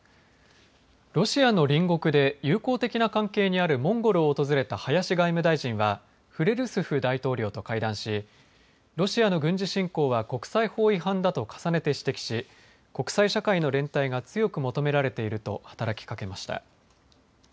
ロシアの隣国で友好的な関係にあるモンゴルを訪れた林外務大臣はフレルスフ大統領と会談しロシアの軍事侵攻は国際法違反だと重ねて指摘し国際社会の連帯が強く求められていると働きかけました。